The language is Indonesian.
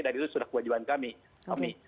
dan itu sudah kewajiban kami